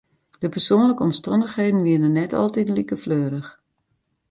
De persoanlike omstannichheden wiene net altiten like fleurich.